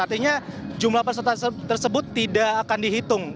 artinya jumlah peserta tersebut tidak akan dihitung